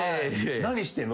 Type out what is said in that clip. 何してんの？